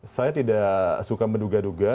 saya tidak suka menduga duga